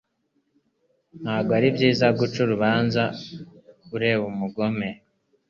Nta bwo ari byiza guca urubanza ubera umugome